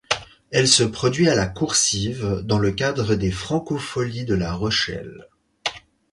Elle se produit à La Coursive dans le cadre des Francofolies de La Rochelle.